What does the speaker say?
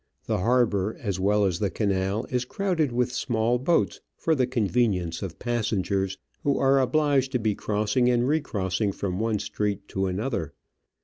The harbour as well as the canal is crowded with small boats for the convenience of passengers who are obliged to be crossing and re crossing from one street to another.